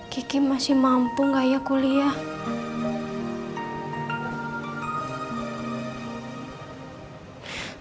kiki masih mampu gak ya kuliah